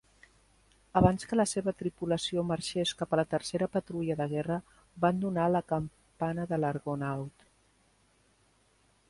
Abans que la seva tripulació marxés cap a la tercera patrulla de guerra, van donar la campana de l'Argonaut.